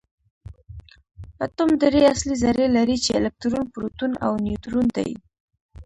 اتوم درې اصلي ذرې لري چې الکترون پروټون او نیوټرون دي